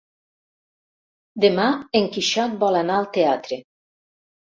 Demà en Quixot vol anar al teatre.